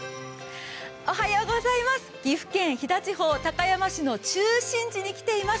岐阜県飛騨地方高山市の中心地に来ています。